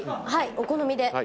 はいお好みで。